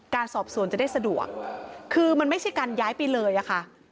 การสอบสวนจะได้สะดวกคือมันไม่ใช่การย้ายไปเลยอะค่ะ